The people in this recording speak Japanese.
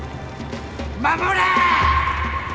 守れ！